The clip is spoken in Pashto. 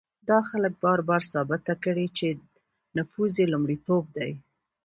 دا خلک بار بار ثابته کړې چې نفوذ یې لومړیتوب دی.